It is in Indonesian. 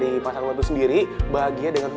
ibran menurut lo gimana kau